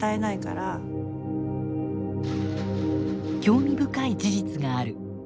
興味深い事実がある。